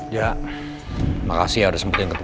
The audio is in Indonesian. ya makasih ya udah sempetin ketemu